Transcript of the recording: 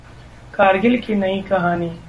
करगिल की नई कहानी